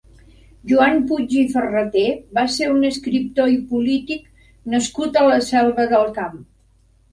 Joan Puig i Ferreter va ser un escriptor i polític nascut a la Selva del Camp.